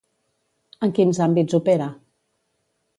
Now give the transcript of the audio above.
En quins àmbits opera?